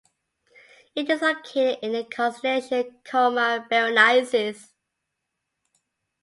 It is located in the constellation Coma Berenices.